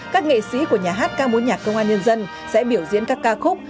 các nghệ sĩ của nhà hát ca mối nhạc công an nhân dân sẽ biểu diễn các ca khúc